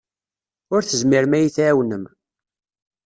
Ur tezmirem ad iyi-tɛawnem.